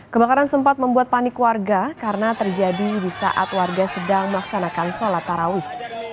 kebakaran sempat membuat panik warga karena terjadi di saat warga sedang melaksanakan sholat tarawih